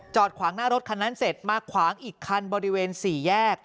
ขวางหน้ารถคันนั้นเสร็จมาขวางอีกคันบริเวณสี่แยก